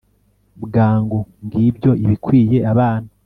bwangu, ngibyo ibikwiye abana